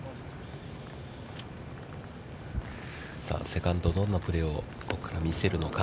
セカンド、どんなプレーをここから見せるのか。